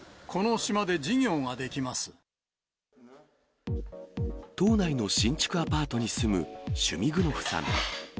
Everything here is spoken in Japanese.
島内の新築アパートに住むシュミグノフさん。